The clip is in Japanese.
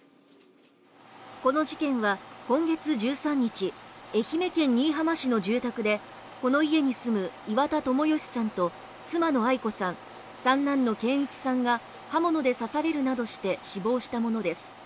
この事件は今月１３日愛媛県新居浜市の住宅でこの家に住む岩田友義さんと妻のアイ子さん三男の健一さんが刃物で刺されるなどして死亡したものです